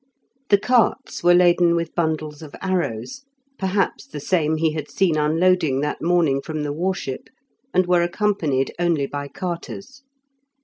The carts were laden with bundles of arrows, perhaps the same he had seen unloading that morning from the war ship, and were accompanied only by carters.